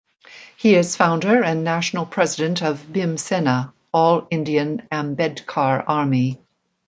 He is founder and national president of Bhim Sena (All India Ambedkar Army).